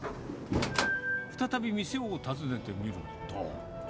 再び店を訪ねてみると。